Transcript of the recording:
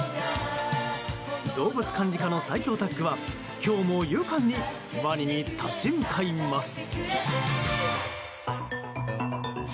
動物管理課の最強タッグは今日も勇敢にワニに立ち向かいます。